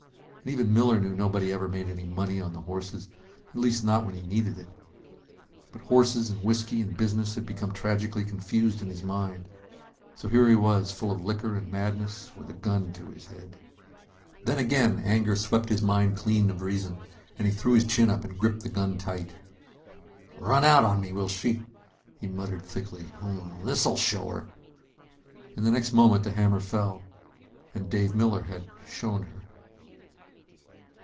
And even Miller knew nobody ever made any money on the horses at least, not when he needed it. But horses and whiskey and business had become tragically confused in his mind; so here he was, full of liquor and madness, with a gun to his head. Then again anger swept his mind clean of reason, and he threw his chin up and gripped the gun tight. "Run out on me, will she!" he muttered thickly. "Well this'll show her!" In the next moment the hammer fell ... and Dave Miller had "shown her."